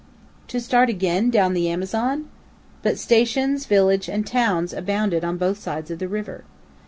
To start again down the Amazon? But stations, village, and towns abounded on both sides of the river.